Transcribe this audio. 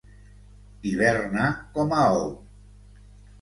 Hiberna com a ou.